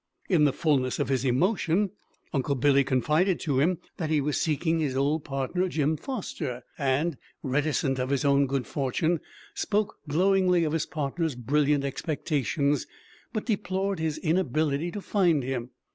In the fulness of his emotion, Uncle Billy confided to him that he was seeking his old partner, Jim Foster, and, reticent of his own good fortune, spoke glowingly of his partner's brilliant expectations, but deplored his inability to find him.